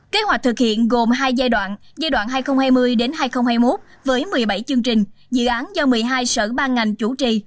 kế hoạch thực hiện gồm hai giai đoạn giai đoạn hai nghìn hai mươi hai nghìn hai mươi một với một mươi bảy chương trình dự án do một mươi hai sở ban ngành chủ trì